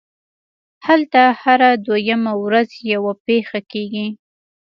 هلته هره دویمه ورځ یوه پېښه کېږي